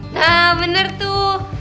nah bener tuh